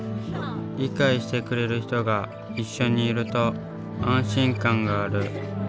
理解してくれる人が一緒にいると安心感がある。